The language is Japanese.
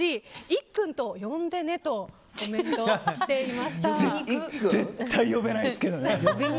いっくんと呼んでねと絶対呼べないですけどね。